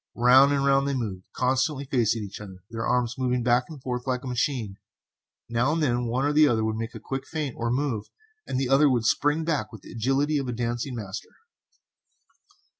Round and round they moved, constantly facing each other, their arms moving back and forth like a machine. Now and then one or the other would make a quick feint or move, and the other would spring back with the agility of a dancing master.